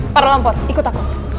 para lampor ikut aku